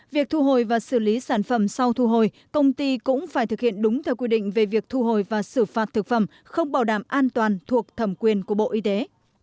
việc thu hồi và xử lý sản phẩm sau thu hồi công ty cũng phải thực hiện đúng theo quy định về việc thu hồi và xử phạt thực phẩm không bảo đảm an toàn thuộc thẩm quyền của bộ y tế